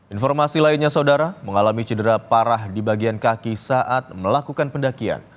informasi lainnya saudara mengalami cedera parah di bagian kaki saat melakukan pendakian